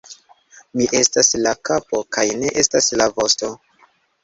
Mi estas la kapo, kaj ne estas la vosto!